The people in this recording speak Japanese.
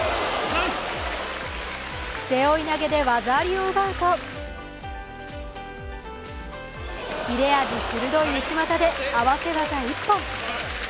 背負い投げで技ありを奪うと切れ味鋭い内股で合わせ技一本。